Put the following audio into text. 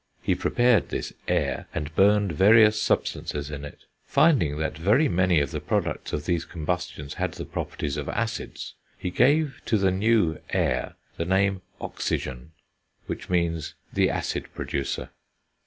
He prepared this "air" and burned various substances in it. Finding that very many of the products of these combustions had the properties of acids, he gave to the new "air" the name oxygen, which means the acid producer.